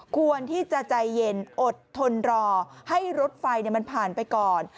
ควรที่จะใจเย็นอดทนรอให้รถไฟมันผ่านไปก่อน